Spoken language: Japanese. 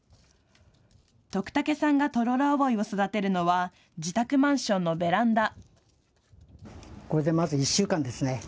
徳竹さんがトロロアオイを育てるのは自宅マンションのベランダ。